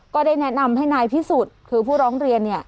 ก็ได้แนะนำให้นายพิสุทธิ์คือผู้ร้องเรียนเนี่ย